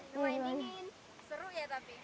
lumayan dingin seru ya tapi